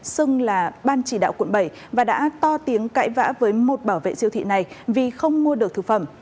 xưng là ban chỉ đạo quận bảy và đã to tiếng cãi vã với một bảo vệ siêu thị này vì không mua được thực phẩm